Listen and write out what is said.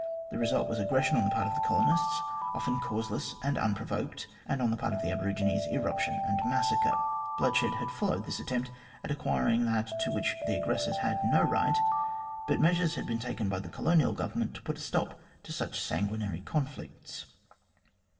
The result was aggression on the part of the colonists, often causeless and unprovoked, and on the part of the aborigines irruption and massacre. Blood shed had followed this attempt at acquiring that to which the aggressors had no right', but measures had been taken by the Colonial Government to put a stop to such sanguinary conflicts.